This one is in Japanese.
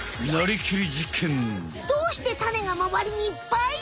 どうしてタネがまわりにいっぱい？